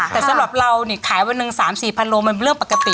แต่สำหรับเรานี่ขายวันหนึ่ง๓๔พันโลมันเรื่องปกติ